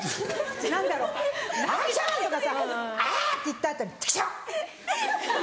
何だろう「ハクション！」とかさ「あぁ！」って言った後に「チクショ！」。